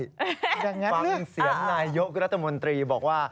ฟังเสียงนายกรัฐมนตรีบอกว่า